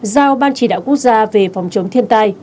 giao ban chỉ đạo quốc gia về phòng chống thiên tai